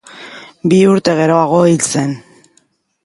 Bi urte geroago hil zen.